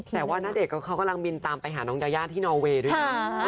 แต่ว่าณเดชน์กับเขากำลังบินตามไปหาน้องยายาที่นอเวย์ด้วยนะ